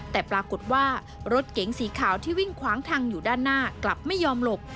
แต่ปรากฏว่ารถเก๋งสีขาวที่วิ่งขวางทางอยู่ด้านหน้ากลับไม่ยอมหลบ